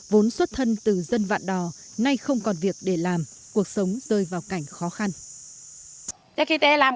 vốn xuất thân từ dân vạn đỏ nay không còn việc để làm